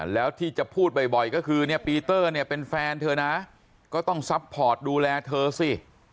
แล้วที่จะพูดบ่อยก็คือเนี่ยปีเตอร์เนี่ยเป็นแฟนเธอนะก็ต้องซัพพอร์ตดูแลเธอสิ